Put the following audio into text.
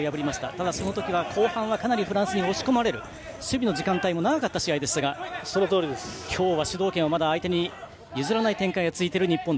ただそのとき、後半はかなりフランスに押し込まれる守備の時間帯も長かった試合でしたが今日は主導権をまだ相手に譲らない展開が続いている日本。